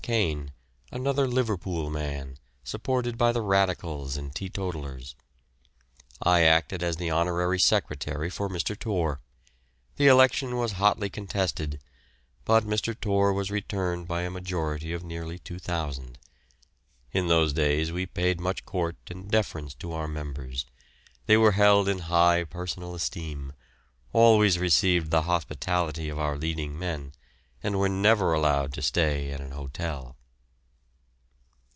Caine, another Liverpool man, supported by the Radicals and teetotalers. I acted as the honorary Secretary for Mr. Torr. The election was hotly contested, but Mr. Torr was returned by a majority of nearly 2,000. In those days we paid much court and deference to our members. They were held in high personal esteem, always received the hospitality of our leading men, and were never allowed to stay at an hotel.